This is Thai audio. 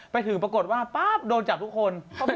ไปถึงปรากฏว่าปั๊บโดนจับทุกคน